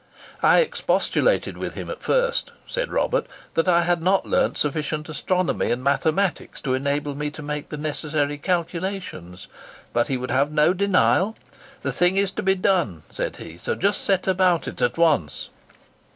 "I expostulated with him at first," said Robert, "that I had not learnt sufficient astronomy and mathematics to enable me to make the necessary calculations. But he would have no denial. 'The thing is to be done,' said he; 'so just set about it at once.